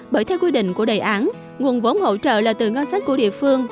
bởi theo quy định của đề án nguồn vốn hỗ trợ là từ ngân sách của địa phương